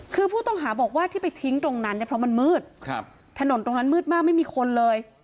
คือผู้ต้องหาบอกว่าที่ไปทิ้งตรงนั้นเนี่ยเพราะมันมืดถนนตรงนั้นมืดมากไม่มีคนเลย